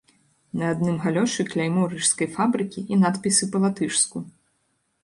На адным галёшы кляймо рыжскай фабрыкі і надпісы па-латышску.